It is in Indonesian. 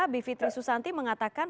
b fitri susanti mengatakan